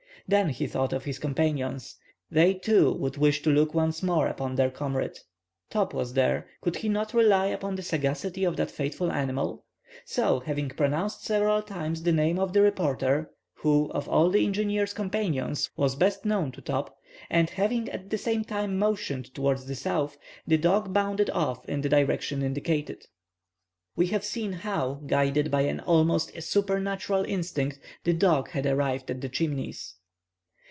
Then he thought of his companions. They, too, would wish to look once more upon their comrade. Top was there. Could he not rely upon the sagacity of that faithful animal? So having pronounced several times the name of the reporter, who, of all the engineer's companions, was best known by Top, and having at the same time motioned towards the south, the dog bounded off in the direction indicated. We have seen how, guided by an almost supernatural instinct, the dog had arrived at the Chimneys.